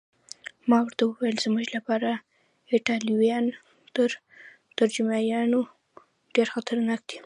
ما ورته وویل: زموږ لپاره ایټالویان تر جرمنیانو ډېر خطرناک دي.